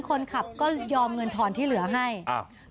คนขับก็ยอมเงินทอนที่เหลือให้อ่า